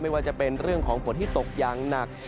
ว่าจะเป็นเรื่องของฝนที่ตกอย่างหนัก